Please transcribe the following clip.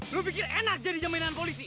lo pikir enak jadi jaman polisi